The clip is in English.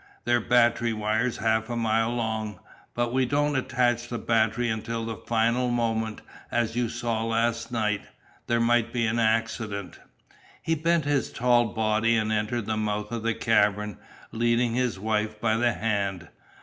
"They're battery wires half a mile long. But we don't attach the battery until the final moment, as you saw last night. There might be an accident." He bent his tall body and entered the mouth of the cavern, leading his wife by the hand.